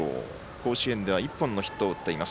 甲子園では１本のヒットを打っています。